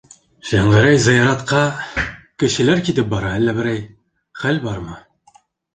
Шәңгәрәй, зыяратҡа... кешеләр китеп бара, әллә берәй... хәл бармы?